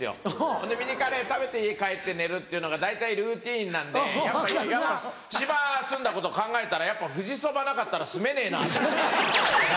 ほんでミニカレー食べて家帰って寝るっていうのが大体ルーティンなんで島住んだこと考えたらやっぱ富士そばなかったら住めねえなと思って。